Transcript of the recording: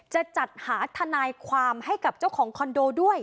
จะจัดหาทนายความให้กับเจ้าของคอนโดด้วย